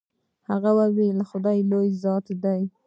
هغه وويل خداى لوى ذات دې.